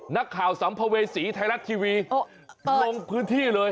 สัมภเวษีไทยรัฐทีวีลงพื้นที่เลย